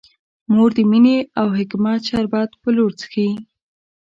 مور د مینې او حکمت شربت په لور څښي.